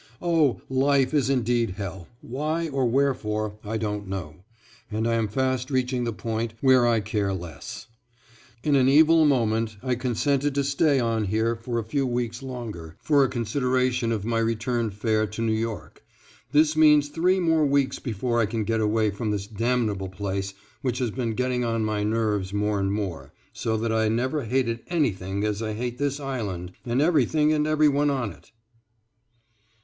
Oh! life is indeed hell why, or wherefore, I don't know, and I am fast reaching the point where I care less. In an evil moment I consented to stay on here for a few weeks longer for a consideration of my return fare to New York. This means three more weeks before I can get away from this damnable place which has been getting on my nerves more and more so that I never hated anything as I hate this island and everything and everyone on it.